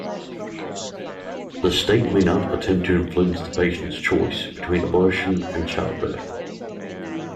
The state may not attempt to influence the patient's choice between abortion and childbirth.